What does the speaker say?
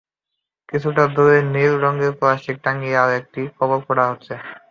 কিছুটা দূরে নীল রঙের প্লাস্টিক টাঙিয়ে আরও একটা কবর খোঁড়া হচ্ছে।